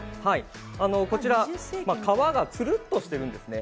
こちら皮がツルンとしてるんですね。